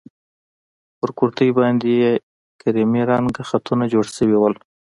پر کورتۍ باندې يې کيريمي رنګه خطونه جوړ شوي وو.